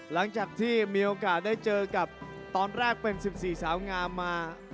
หลังจากที่มีโอกาสได้เจอกับตอนแรกเป็น๑๔สาวงามมา